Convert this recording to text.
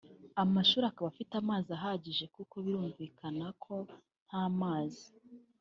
amashuri akaba afite amazi ahagije kuko birumvukana ko nta mazi